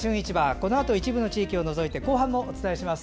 このあと一部の地域を除いて後半もお伝えします。